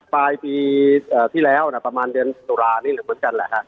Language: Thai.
ปลายปีที่แล้วนะประมาณเดือนตุลานี่เหมือนกันแหละครับ